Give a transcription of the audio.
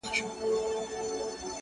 o زه هم د هغوی اولاد يم ـ